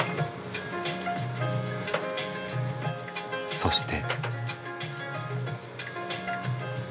そして。